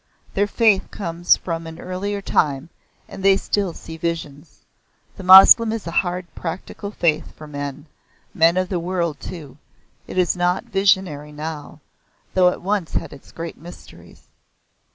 Their faith comes from an earlier time and they still see visions. The Moslem is a hard practical faith for men men of the world too. It is not visionary now, though it once had its great mysteries."